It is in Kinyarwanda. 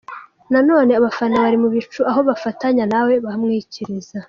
Na none abafana bari mu bicu aho bafatanya nawe bamwikiriza.